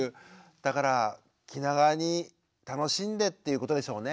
だから気長に楽しんでっていうことでしょうね。